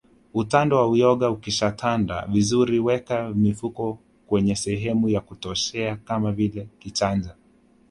Utando wa uyoga ukishatanda vizuri weka mifuko kwenye sehemu ya kuoteshea kama vile kichanja